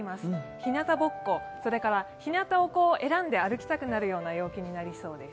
ひなたぼっこ、ひなたを選んで歩きたくるような陽気になりそうです。